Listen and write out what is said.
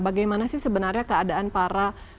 bagaimana sih sebenarnya keadaan para